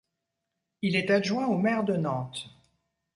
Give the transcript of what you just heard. Il est adjoint au maire de Nantes.